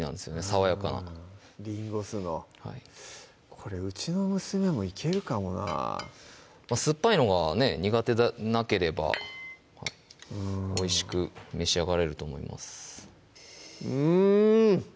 爽やかなりんご酢のはいこれうちの娘もいけるかもなぁ酸っぱいのが苦手でなければおいしく召し上がれると思いますうん！